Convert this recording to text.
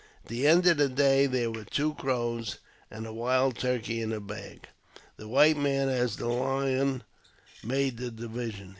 At the end of the day there were two crows and a wild turkey in the bag. The white man as the lion made the division.